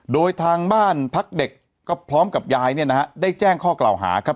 โดยทางบ้านพักเด็กก็พร้อมกับยายเนี่ยนะฮะได้แจ้งข้อกล่าวหาครับ